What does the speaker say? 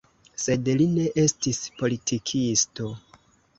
Sed li ne estis politikisto.